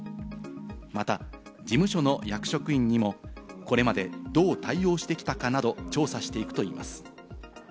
また、事務所の役職員にもこれまでどう対応してきたかなど調査していくといいます。